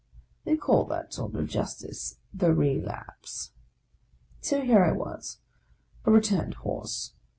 They call that sort of justice the relapse. So here I was, a returned horse.